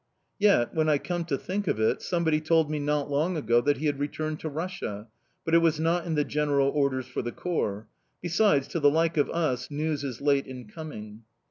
Yet, when I come to think of it, somebody told me not long ago that he had returned to Russia but it was not in the general orders for the corps. Besides, to the like of us news is late in coming."